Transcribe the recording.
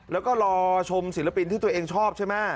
แล้วก็รอชมศิลปินที่ตัวเองชอบ